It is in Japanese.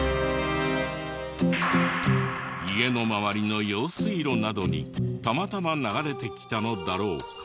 家の周りの用水路などにたまたま流れてきたのだろうか？